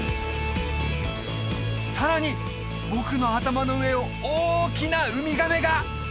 さらに僕の頭の上を大きなウミガメが！